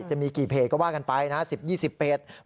จะมีกี่เพจก็ว่ากันไปนะ๑๐๒๐เพจ